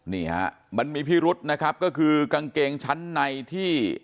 นี่ฮะมันมีพิรุษนะครับก็คือกางเกงชั้นในที่